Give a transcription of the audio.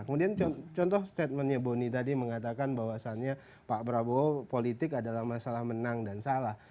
kemudian contoh statementnya boni tadi mengatakan bahwasannya pak prabowo politik adalah masalah menang dan salah